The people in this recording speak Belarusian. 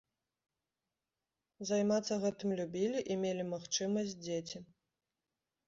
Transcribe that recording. Займацца гэтым любілі і мелі магчымасць дзеці.